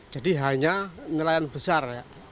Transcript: jadi hanya nelayan besar